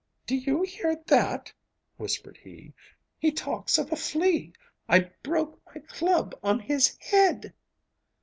'Do you hear that?' whispered he. 'He talks of a flea. I broke my club on his head.